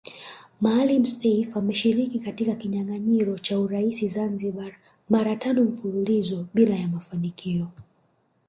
Maalim Self ameshiriki katika kinyanganyiro cha urais Zanzibari mara tano mfululizo bila ya mafanikio